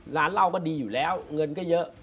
ร้านเราก็ดีอยู่แล้วเงินก็เยอะ